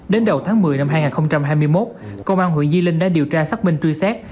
đến đầu tháng một mươi năm hai nghìn hai mươi một công an huyện di linh đã điều tra xác minh truy xét